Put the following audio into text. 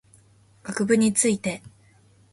学部について